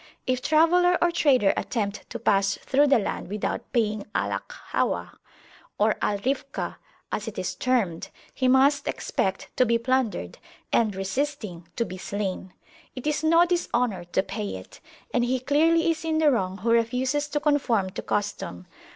If traveller or trader attempt to pass through the land without paying Al Akhawah or Al Rifkah, as it is termed, he must expect to be plundered, and, resisting, to be slain: it is no dishonour to pay it, and he clearly is in the wrong who refuses to conform to custom.